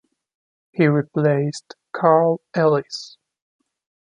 He replaced Karl Ellis.